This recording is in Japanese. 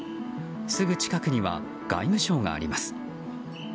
すぐ近くには外務省があります。